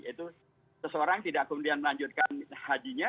itu seseorang tidak kemudian melanjutkan hajinya